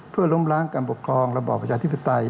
เพื่อล้มล้างการปกครองระบอบประชาธิปไตย